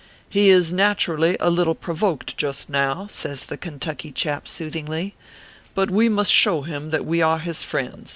He is naturally a little pro voked just now," says the Kentucky chap, sooth ingly, "but we must show him that we are his friends."